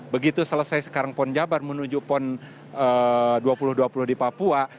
begitu selesai sekarang pon jabar menuju pon dua ribu dua puluh di papua